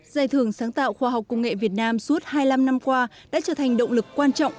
giải thưởng sáng tạo khoa học công nghệ việt nam suốt hai mươi năm năm qua đã trở thành động lực quan trọng